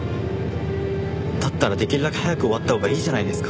だったらできるだけ早く終わったほうがいいじゃないですか。